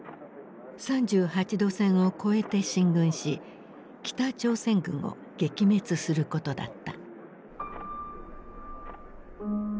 ３８度線を越えて進軍し北朝鮮軍を撃滅することだった。